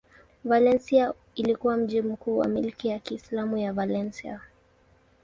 Valencia ilikuwa mji mkuu wa milki ya Kiislamu ya Valencia.